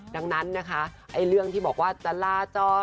ดังนั้นนะคะเรื่องที่บอกว่าจะลาจอ